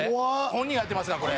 本人がやってますからこれ。